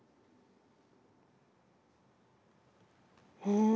うん。